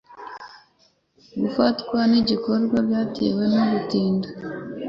gufatwa kw'igikorwa byatewe no gutinda